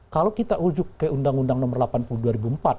kalau kita ujuk ke undang undang nomor delapan puluh